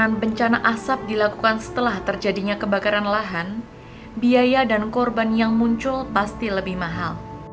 dengan bencana asap dilakukan setelah terjadinya kebakaran lahan biaya dan korban yang muncul pasti lebih mahal